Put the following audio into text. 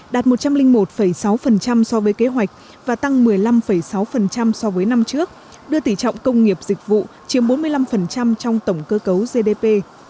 đạt một trăm linh một sáu so với kế hoạch và tăng một mươi năm sáu so với năm trước đưa tỉ trọng công nghiệp dịch vụ chiếm bốn mươi năm trong tổng cơ cấu gdp